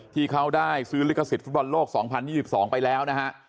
ที่เขาได้ซื้อลิขสิทธิฟุตบอลโลก๒๐๒๒ไปแล้วนะฮะ